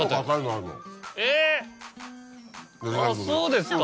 あっそうですか。